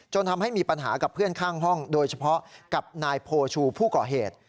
ทำให้มีปัญหากับเพื่อนข้างห้องโดยเฉพาะกับนายโพชูผู้ก่อเหตุ